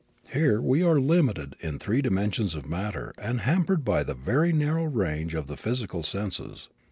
Here we are limited in three dimensions of matter and hampered by the very narrow range of the physical senses.